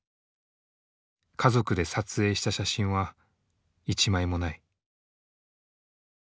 家族で撮影した写真は一枚もない。